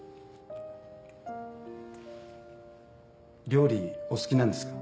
料理お好きなんですか？